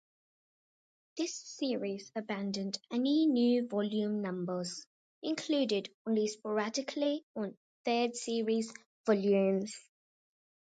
This series abandoned any new volume numbers, included only sporadically on third series volumes.